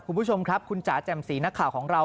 คุณผู้ชมครับคุณจ๋าแจ่มสีนักข่าวของเรา